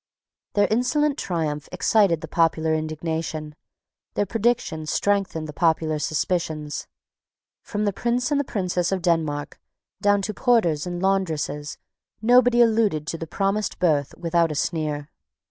Their insolent triumph excited the popular indignation. Their predictions strengthened the popular suspicions. From the Prince and Princess of Denmark down to porters and laundresses nobody alluded to the promised birth without a sneer.